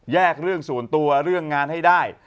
เรื่องส่วนตัวเรื่องงานให้ได้